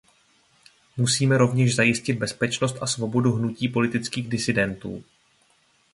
Musíme rovněž zajistit bezpečnost a svobodu hnutí politických disidentů.